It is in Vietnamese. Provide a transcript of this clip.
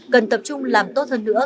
cần tập trung làm tốt hơn nữa